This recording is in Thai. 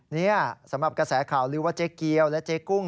นี่สำหรับกระแสข่าวลือว่าเจ๊เกียวและเจ๊กุ้ง